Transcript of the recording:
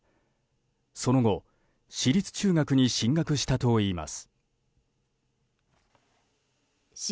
その後私立中学に進学したといいます。